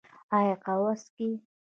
ایا قهوه څښئ؟